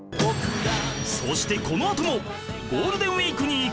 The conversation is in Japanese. そしてこのあともゴールデンウィークに行くべき！